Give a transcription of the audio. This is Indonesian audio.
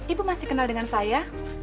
ibu masih kenal dengan saya